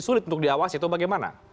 sulit untuk diawasi atau bagaimana